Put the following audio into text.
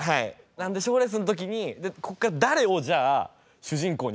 なんで賞レースの時にこっから誰をじゃあ主人公にしていくんだ。